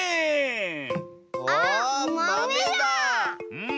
うん。